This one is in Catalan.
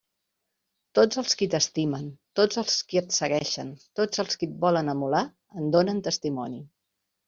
Tots els qui t'estimen, tots els qui et segueixen, tots els qui et volen emular en donen testimoni.